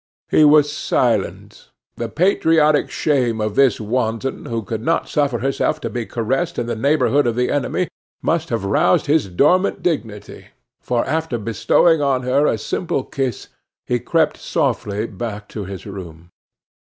He was silent. The patriotic shame of this wanton, who would not suffer herself to be caressed in the neighborhood of the enemy, must have roused his dormant dignity, for after bestowing on her a simple kiss he crept softly back to his room.